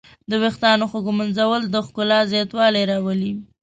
د ویښتانو ښه ږمنځول د ښکلا زیاتوالی راولي.